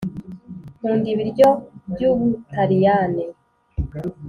nkunda ibiryo by'ubutaliyani.